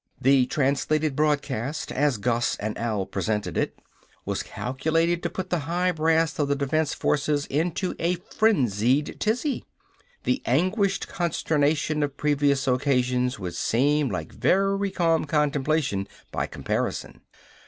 The translated broadcast, as Gus and Al presented it, was calculated to put the high brass of the defense forces into a frenzied tizzy. The anguished consternation of previous occasions would seem like very calm contemplation by comparison.